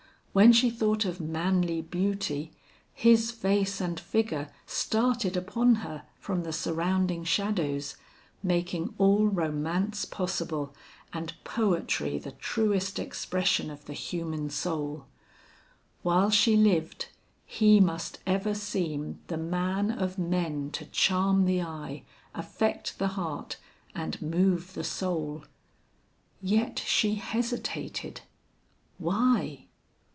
When she thought of manly beauty, his face and figure started upon her from the surrounding shadows, making all romance possible and poetry the truest expression of the human soul. While she lived, he must ever seem the man of men to charm the eye, affect the heart, and move the soul. Yet she hesitated. Why?